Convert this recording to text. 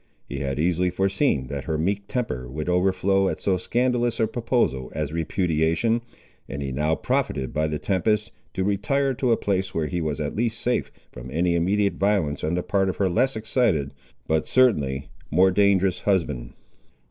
He had easily foreseen that her meek temper would overflow at so scandalous a proposal as repudiation, and he now profited by the tempest, to retire to a place where he was at least safe from any immediate violence on the part of her less excited, but certainly more dangerous husband.